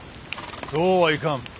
そうはいかん。